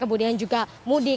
kemudian juga tempat lain